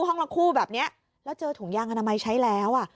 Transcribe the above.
ห้องละคู่แบบนี้แล้วเจอถุงยางอนามัยใช้แล้วอ่ะ